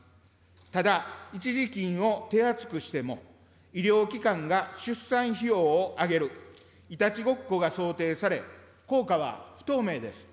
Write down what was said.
ただ、一時金を手厚くしても、医療機関が出産費用を上げる、いたちごっこが想定され、効果は不透明です。